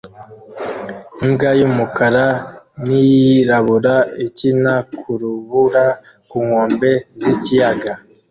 Imbwa y'umukara n'iyirabura ikina ku rubura ku nkombe z'ikiyaga